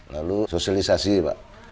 lalu sosialisasi pak